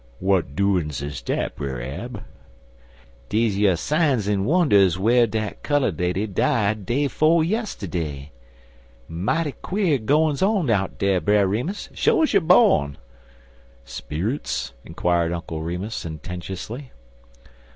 "W'at doin's is dat, Brer Ab?" "Deze yer signs an' wunders whar dat cullud lady died day 'fo' yistiddy. Mighty quare goin's on out dar, Brer Remus, sho's you bawn." "Sperrits?" inquired Uncle Remus, sententiously.